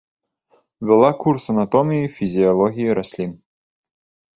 Вяла курс анатоміі і фізіялогіі раслін.